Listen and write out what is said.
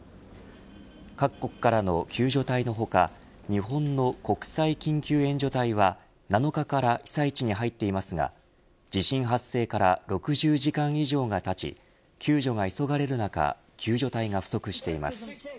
各国からの救助隊の他日本の国際緊急援助隊は７日から被災地に入っていますが地震発生から６０時間以上がたち救助が急がれる中救助隊が不足しています。